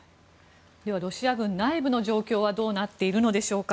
ではロシア軍内部の状況はどうなっているのでしょうか。